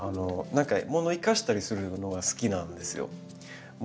何かものを生かしたりするのが好きなんですよ。